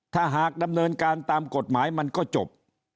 ถ้าหากดำเนินการตามกฎหมายมันก็จบ